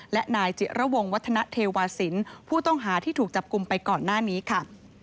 และนายจิระวงวัฒนเทวาสินผู้ต้องหาที่ถูกจับกลุ่มไปก่อนหน้านี้ค่ะ